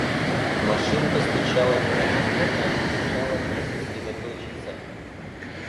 Машинка стучала неравномерно и мешала мне сосредоточиться.